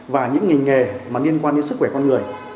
các ngành nghề liên quan đến sức khỏe con người